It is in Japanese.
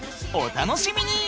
お楽しみに！